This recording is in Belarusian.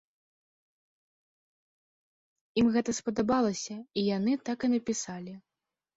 Ім гэта спадабалася, і яны так і напісалі.